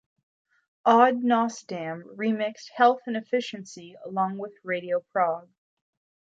Odd Nosdam remixed "Health And Efficiency" along with "Radio Prague".